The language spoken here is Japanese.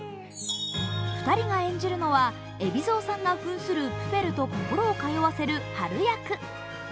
２人が演じるのは海老蔵さんが演じるプペルと心を通わせるはる役。